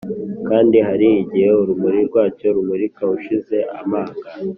kandi hari igihe urumuri rwacyo rumurika ushize amanga,